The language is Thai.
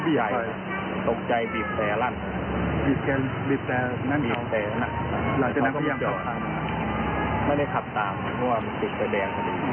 ไม่ได้ขับตามเพราะว่ามันติดไฟแดงพอดี